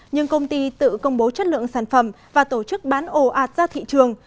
nhưng công ty tự công bố chất lượng sản phẩm và tổ chức bán ồ ạt ra thị trường